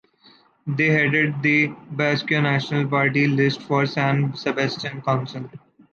They headed the Basque National Party lists for San Sebastián Council.